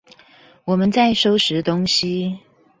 我們在收拾東西